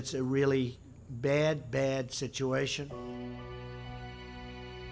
tapi ini adalah situasi yang sangat teruk